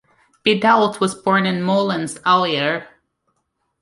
Bidault was born in Moulins, Allier.